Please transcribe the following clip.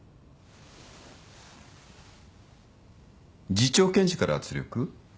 次長検事から圧力？